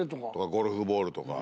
ゴルフボールとか。